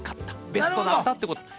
ベストだったってこと。